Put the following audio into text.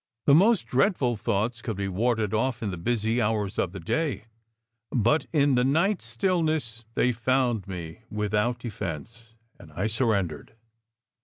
The most dreadful thoughts could be warded off in the busy hours of the day; but in the night stillness they found me without defence, and I surren dered.